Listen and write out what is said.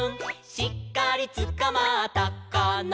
「しっかりつかまったかな」